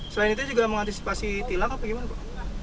selain itu juga mengantisipasi tilang apa gimana pak